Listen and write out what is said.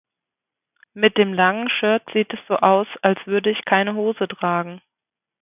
Mit dem langen Shirt sieht es so aus, als würde ich keine Hose tragen.